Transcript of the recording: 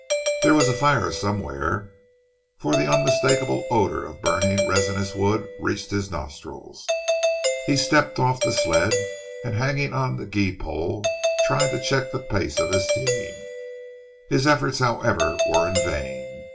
There was a fire somewhere, for the unmistakable odour of burning resinous wood reached his nostrils. He stepped off the sled, and hanging on to the gee pole tried to check the pace of his team. His efforts however, were in vain.